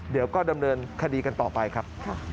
เดี๋ยวก็ดำเนินคดีกันต่อไปครับ